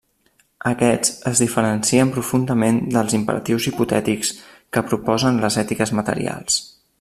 Aquests es diferencien profundament dels imperatius hipotètics que proposen les ètiques materials.